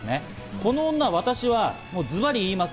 この女、私はズバリ言います。